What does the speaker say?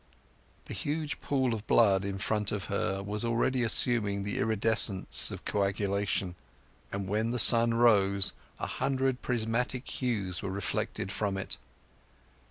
The huge pool of blood in front of her was already assuming the iridescence of coagulation; and when the sun rose a hundred prismatic hues were reflected from it.